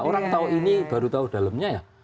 orang tau ini baru tau dalamnya ya